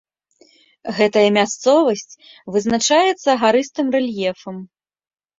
Гэтая мясцовасць вызначаецца гарыстым рэльефам.